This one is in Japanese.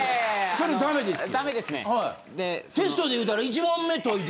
それダメですよ。